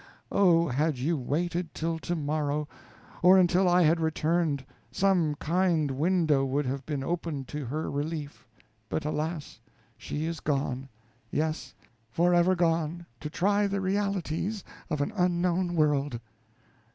Oh, had you waited till tomorrow, or until I had returned, some kind window would have been opened to her relief. But, alas! she is gone yes, forever gone, to try the realities of an unknown world!